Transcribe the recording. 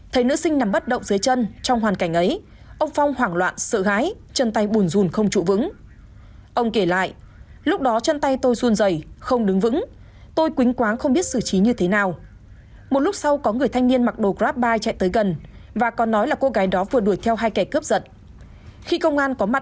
thầy nữ sinh nằm bất động dưới chân trong hoàn cảnh ấy ông phong hoảng loạn sợ gái chân tay bùn rùn không trụ vững